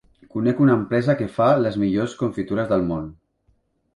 Conec una empresa que fa les millors confitures del món.